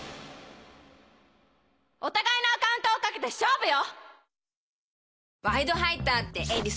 お互いのアカウントを賭けて勝負よ！